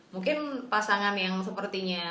mungkin pasangan yang sepertinya